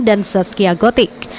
dan saskia gotik